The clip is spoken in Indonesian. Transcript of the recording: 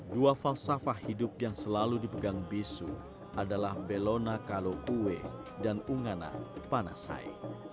dua falsafah hidup yang selalu dipegang bisu adalah belona kalo uwe dan ungana panasai